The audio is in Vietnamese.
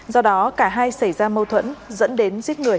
do đó cả hai xảy ra mâu thuẫn dẫn đến giết người